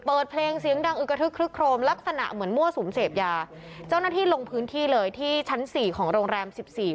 เปิดเพลงเสียงดังอึกกระทึกคลึกโครมลักษณะเหมือนมั่วสุมเสพยาเจ้าหน้าที่ลงพื้นที่เลยที่ชั้นสี่ของโรงแรมสิบสี่